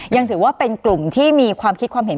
ยังถือว่าเป็นกลุ่มที่มีความคิดความเห็น